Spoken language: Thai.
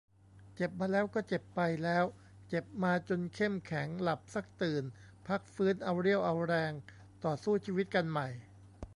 เจ็บมาแล้ว ก็เจ็บไปแล้ว เจ็บมาจนเข้มแข็ง. หลับซักตื่น พักฟื้น เอาเรี่ยวเอาแรง ต่อสู้ชีวิตกันใหม่.